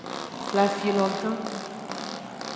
Flafilo gan.